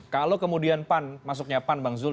kalau kemudian pan masuknya pan bang zul